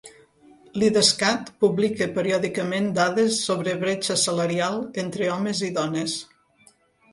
L'Idescat publica periòdicament dades sobre bretxa salarial entre homes i dones.